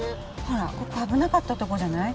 ほらここ危なかったとこじゃない